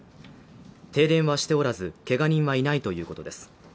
停電はしておらず、けが人はいないということです。